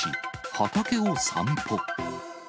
畑を散歩。